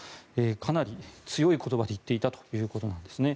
かなり強い言葉で言っていたということなんですね。